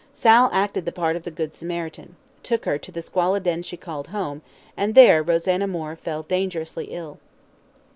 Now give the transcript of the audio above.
Sal acted the part of the good Samaritan took her to the squalid den she called home, and there Rosanna Moore fell dangerously ill.